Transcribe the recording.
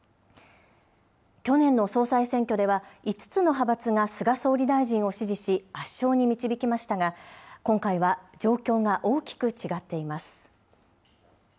去年の総裁選挙では、５つの派閥が菅総理大臣を支持し、圧勝に導きましたが、今回は状況が大きく違っています。